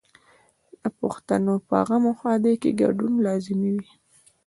د پښتنو په غم او ښادۍ کې ګډون لازمي وي.